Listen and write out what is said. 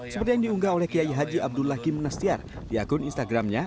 seperti yang diunggah oleh kiai haji abdullah kimnastiar di akun instagramnya